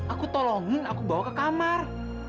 aku tolongin aku bawa ke kamar